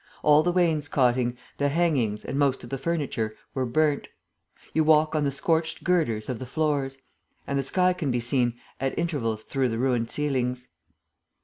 All the wainscoting, the hangings and most of the furniture were burnt. You walk on the scorched girders of the floors; and the sky can be seen at intervals through the ruined ceilings.